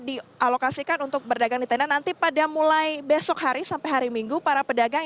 dialokasikan untuk berdagang di tenda nanti pada mulai besok hari sampai hari minggu para pedagang